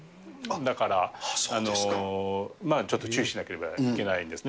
だから、ちょっと注意しなければいけないですね。